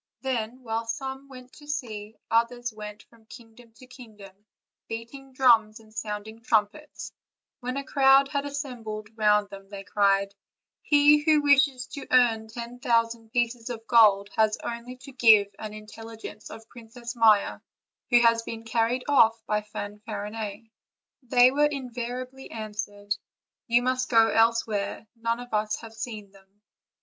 Then, while some went to sea, others went from kingdom to kingdom, beating drums and sounding trumpets; when a crowd had assembled round them they cried: "He who wishes to earn ten thousand pieces of gold has only to give an intelligence of Princess Maia, who has been carried off by Fanfar inet." They were invariably answered: "You must go else where; none of us have seen them."